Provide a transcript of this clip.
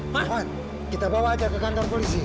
mohon kita bawa aja ke kantor polisi